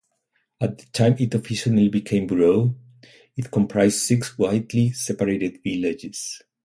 At the time it officially became a borough, it comprised six widely separated villages.